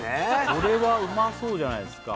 これはうまそうじゃないですか